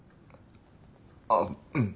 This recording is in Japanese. ああうん。